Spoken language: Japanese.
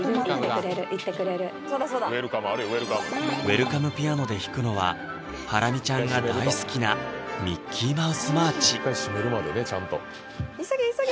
ウェルカムピアノで弾くのはハラミちゃんが大好きな「ミッキーマウスマーチ」急げ急げ！